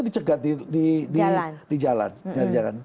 dicegat di jalan